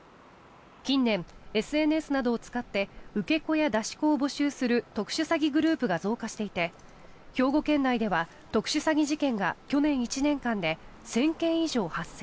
近年、ＳＮＳなどを使って受け子や出し子を募集する特殊詐欺グループが増加していて兵庫県内では特殊詐欺事件が去年１年間で１０００件以上発生。